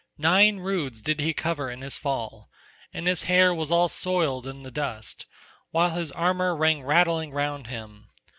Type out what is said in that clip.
Nine roods did he cover in his fall, and his hair was all soiled in the dust, while his armour rang rattling round him.